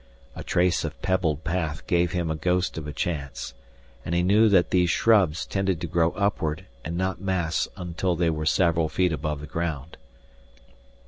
A trace of pebbled path gave him a ghost of a chance, and he knew that these shrubs tended to grow upward and not mass until they were several feet above the ground.